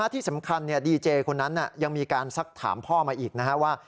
ที่สำคัญดีเจคนนั้นยังมีการสักถามพ่อมาอีกนะครับว่า